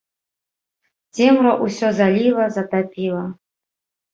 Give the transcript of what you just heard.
Цемра ўсё заліла, затапіла.